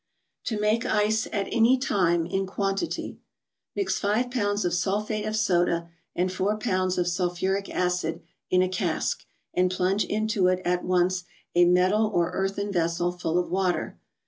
Co Sl^alic 3Sce at ant time, fn £}uan< titV Mix ^ ve P ounc * s °* su lphate of soda and four ^ pounds of sulphuric acid in a cask, and plunge into it at once a metal or earthen vessel full of water.